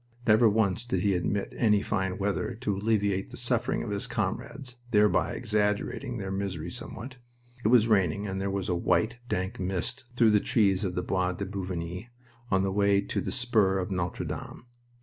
(Never once did he admit any fine weather to alleviate the suffering of his comrades, thereby exaggerating their misery somewhat.) It was raining, and there was a white, dank mist through the trees of the Bois de Bouvigny on the way to the spur of Notre Dame.